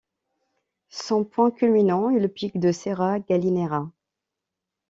Son point culminant est le pic de Serra Gallinera.